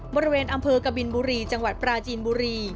บริเวณอำเภอกบินบุรีจังหวัดปราจีนบุรี